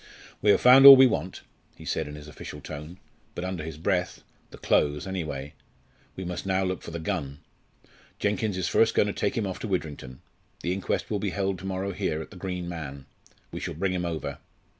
"We have found all we want," he said in his official tone, but under his breath "the clothes anyway. We must now look for the gun. Jenkins is first going to take him off to Widrington. The inquest will be held to morrow here, at 'The Green Man.' We shall bring him over."